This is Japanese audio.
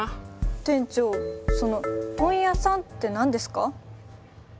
店長その問屋さんって何ですか？